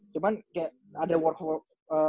cuman kayak ada work